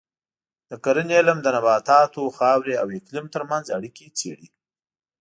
د کرنې علم د نباتاتو، خاورې او اقلیم ترمنځ اړیکې څېړي.